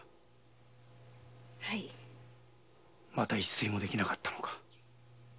また一睡も出来なかったのか？